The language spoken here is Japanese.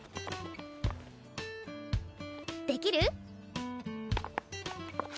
できる？